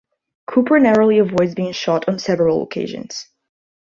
Cooper narrowly avoids being shot on several occasions.